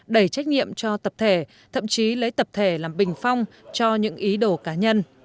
đẩy trách nhiệm cho tập thể thậm chí lấy tập thể làm bình phong cho những ý đồ cá nhân